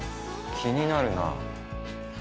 気になるなあ。